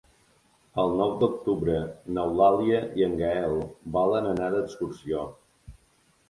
El nou d'octubre n'Eulàlia i en Gaël volen anar d'excursió.